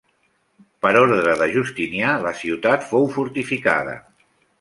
Per ordre de Justinià la ciutat fou fortificada.